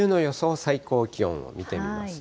最高気温を見てみますと。